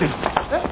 えっ？